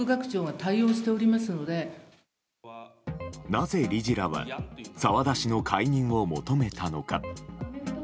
なぜ理事らは澤田氏の解任を求めたのか。